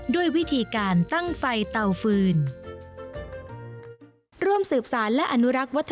ด้วยวิธีการตั้งไฟเตาฟืน